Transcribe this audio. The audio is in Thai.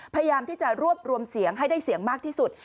พยายามที่จะรวบรวมเสียงให้ได้เสียงมากที่สุด